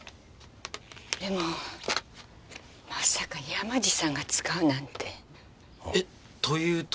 でもまさか山路さんが使うなんて。え？というと？